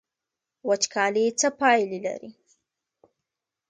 وچکالي څه پایلې لري؟